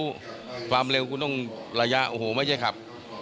เพราะความเร็วคุณต้องระยะโอ้โหไม่ใช่ขับ